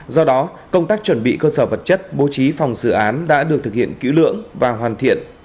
do đó công tác chuẩn bị cơ sở vật chất bố trí phòng dự án đã được thực hiện kỹ lưỡng và hoàn thiện